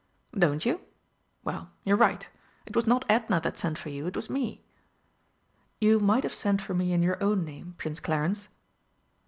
"Don't you? Well, you're right. It was not Edna that sent for you. It was me." "You might have sent for me in your own name, Prince Clarence."